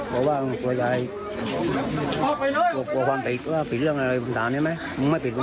กลัวกลัวความผิดความอายุปิดอะไรคุณถามรึไหม